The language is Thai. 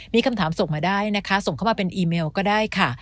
มีคำถามส่งมาได้นะคะส่งเข้ามาเป็นอีเมลก็ได้ค่ะ